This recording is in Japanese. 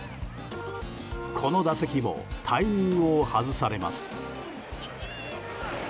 この打席もタイミングを外されます。